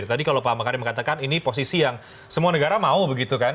tadi kalau pak makarim mengatakan ini posisi yang semua negara mau begitu kan